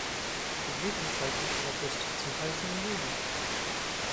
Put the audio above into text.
Die Blütezeit liegt im August, zum Teil schon im Juli.